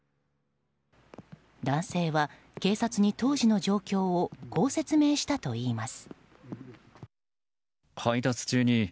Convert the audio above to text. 男性は警察に当時の状況をこう説明したといいます。